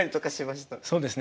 そうですね